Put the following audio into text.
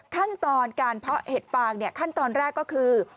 ขั้นตอนการเพาะเห็ดฟางขั้นตอนแรกก็คือ